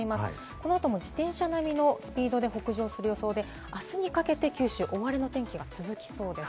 この後も自転車並みのスピードで北上する予想で、あすにかけて九州は大荒れの天気が続きそうです。